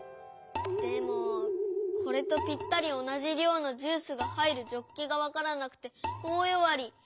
でもこれとぴったりおなじりょうのジュースが入るジョッキがわからなくておおよわり。